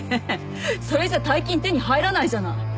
それじゃ大金手に入らないじゃない。